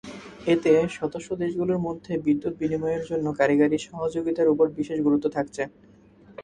এতে সদস্যদেশগুলোর মধ্যে বিদ্যুৎ বিনিময়ের জন্য কারিগরি সহযোগিতার ওপর বিশেষ গুরুত্ব থাকছে।